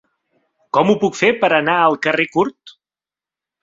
Com ho puc fer per anar al carrer Curt?